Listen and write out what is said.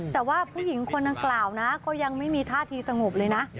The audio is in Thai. แต่ว่าผู้หญิงคนดังกล่าวนะก็ยังไม่มีท่าทีสงบเลยนะ